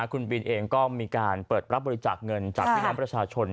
คุณบินเองก็มีการเปิดรับบริจาคเงินจากพี่น้องประชาชน